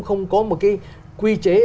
không có một cái quy chế